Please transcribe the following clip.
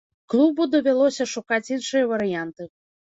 Клубу давялося шукаць іншыя варыянты.